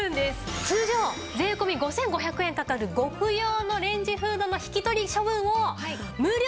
通常税込５５００円かかるご不要のレンジフードの引き取り処分を無料で！